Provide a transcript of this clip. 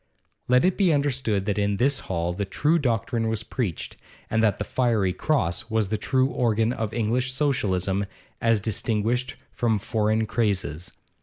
Let it be understood that in this hall the true doctrine was preached, and that the 'Fiery Cross' was the true organ of English Socialism as distinguished from foreign crazes.